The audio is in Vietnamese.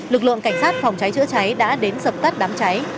lực lượng cảnh sát phòng cháy chữa cháy đã đến dập tắt đám cháy